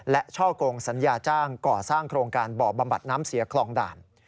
และช่อกงสัญญาจ้างก่อสร้างโครงการบ่อบำบัดน้ำเสียคลองด่าน